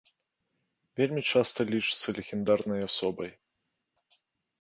Вельмі часта лічыцца легендарнай асобай.